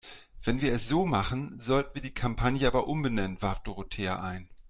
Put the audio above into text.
Wenn wir es so machen, sollten wir die Kampagne aber umbenennen, warf Dorothea ein.